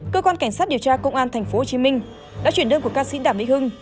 cơ quan cảnh sát điều tra công an tp hcm đã chuyển đơn của ca sĩ đảm vĩnh hưng